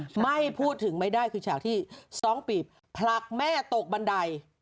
ไม่พูดถึงไม่ได้คือฉากที่๒ปีผลักแม่ตกบันได